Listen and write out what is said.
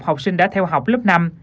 học sinh đã theo học lớp năm